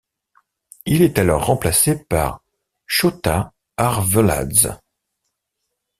Il est alors remplacé par Shota Arveladze.